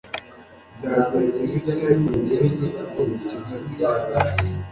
Byagenze bite uyu munsi kuko bikenewe